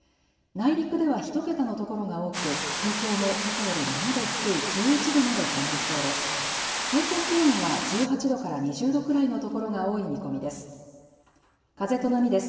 内陸では１桁のところが多く東京もけさより７度低い１１度まで下がりそうです。